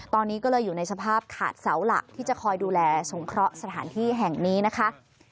ตอนนี้ก็เลยอยู่ในสภาพขาดเสาหลักที่จะคอยดูแลสงเคราะห์สถานที่แห่งนี้นะคะ